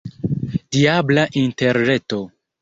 Diabla Interreto!